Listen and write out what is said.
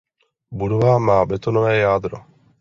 Budova má betonové jádro.